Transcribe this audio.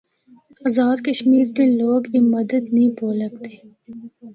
آزاد کشمیر دے لوگ اے مدد نیں بھُل ہکدے۔